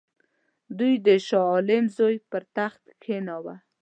دوی د شاه عالم زوی پر تخت کښېناوه.